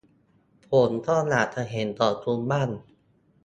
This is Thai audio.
ผมก็อยากจะเห็นของคุณบ้าง